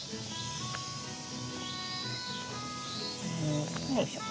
んよいしょ。